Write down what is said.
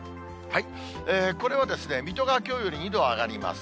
これは水戸がきょうより２度上がります。